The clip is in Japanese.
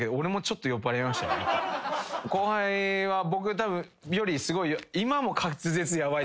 後輩は僕たぶんよりすごい。